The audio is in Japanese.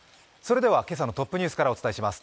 今朝のトップニュースからお伝えします。